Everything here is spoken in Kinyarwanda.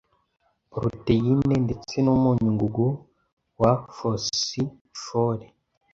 poroteyine ndetse n’umunyungugu wa fosifore